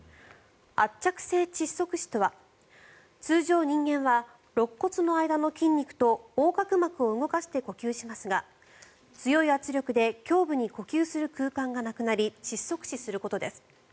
圧着性窒息死とは通常、人間はろっ骨の間の筋肉と横隔膜を動かして呼吸しますが強い圧力で胸部に呼吸する空間がなくなり窒息死することです。